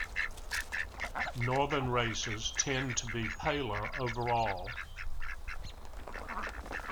Northern races tend to be paler overall.